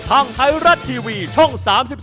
ทางไทยรัฐทีวีช่อง๓๒